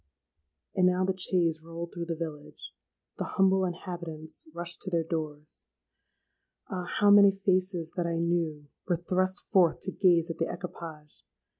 "And now the chaise rolled through the village: the humble inhabitants rushed to their doors—Ah! how many faces that I knew, were thrust forth to gaze at the equipage.